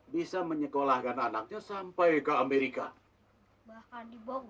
bisa menyekolahkan anaknya sampai ke amerika bahkan di bogor ada tukang tauge goreng pikul